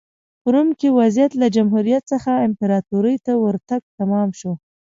په روم کې وضعیت له جمهوریت څخه امپراتورۍ ته ورتګ تمام شو